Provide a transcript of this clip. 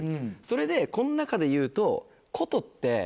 それでこん中でいうと。